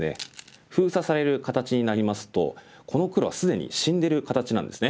封鎖される形になりますとこの黒は既に死んでる形なんですね。